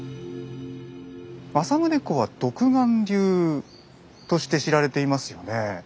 政宗公は独眼竜として知られていますよね。